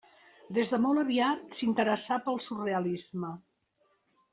Des de molt aviat s’interessà pel surrealisme.